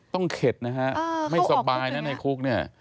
เข็ดนะฮะไม่สบายนะในคุกเนี่ย